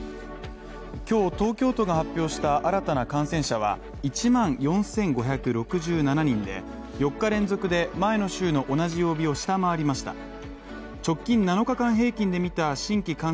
今日、東京都が発表した新たな感染者は１万４５６７人で４日連続で前の週の同じ曜日を下回りました。